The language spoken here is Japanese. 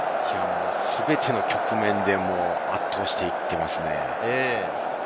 全ての局面で圧倒していっていますね。